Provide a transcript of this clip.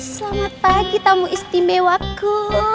selamat pagi tamu istimewaku